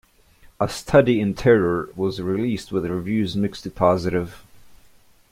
"A Study in Terror" was released with reviews mixed to positive.